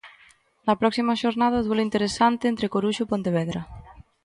Na próxima xornada duelo interesante entre Coruxo e Pontevedra.